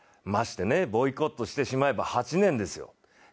ましてボイコットしてしまえば８年ですよ。